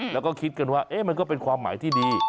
แล้วก็คิดกันว่ามันก็เป็นความหมายที่ดี